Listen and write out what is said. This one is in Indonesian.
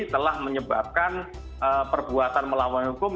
telah menyebabkan perbuatan melawan hukum